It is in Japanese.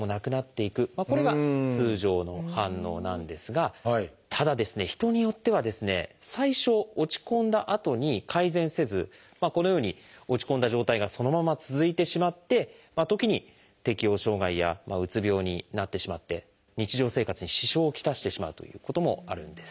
これが通常の反応なんですがただ人によってはですね最初落ち込んだあとに改善せずこのように落ち込んだ状態がそのまま続いてしまって時に適応障害やうつ病になってしまって日常生活に支障を来してしまうということもあるんです。